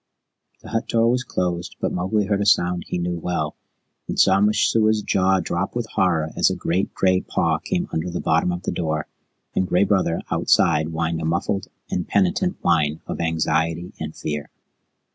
The hut door was closed, but Mowgli heard a sound he knew well, and saw Messua's jaw drop with horror as a great gray paw came under the bottom of the door, and Gray Brother outside whined a muffled and penitent whine of anxiety and fear.